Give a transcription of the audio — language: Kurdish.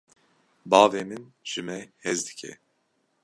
Bavê min ji me hez dike.